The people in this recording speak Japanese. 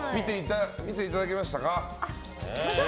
見ていただけましたか？